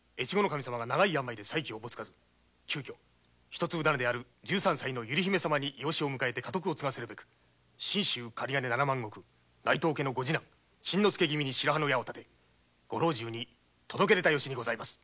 守様が長い病で再起覚つかず１３歳の百合姫様に養子を迎えて家督を継がせるべく信州雁金七万石・内藤家の御次男真之介君に白羽の矢を立て御老中に届け出た由にございます。